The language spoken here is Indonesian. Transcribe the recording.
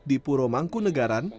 di pura mangkunagaran